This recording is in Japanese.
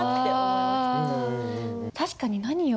確かに何を。